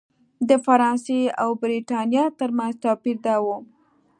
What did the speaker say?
د فرانسې او برېټانیا ترمنځ توپیر دا و.